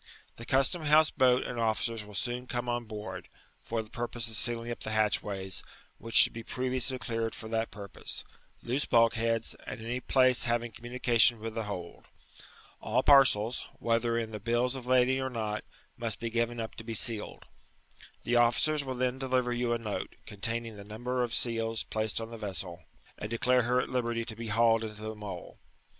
The custom house boat and officers will soon come on board, for the purpose of sealing up the hatchways, which should be previouslv cleared for that purpose; loose bulk heacb, and any place havinff communication with the hold. All parceb, whether in the biUs of lading or not, must be given up to be sealed. The officers will then deliver you a note, containing the numtor of seals placed on the vessel, and declare her at liberty to be hauled into the Mole.